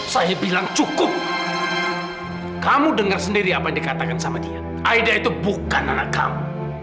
saya bilang cukup kamu dengar sendiri apa yang dikatakan sama dia aida itu bukan anak kamu